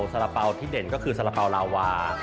สาระเป๋าที่เด่นก็คือสาระเป๋าลาวา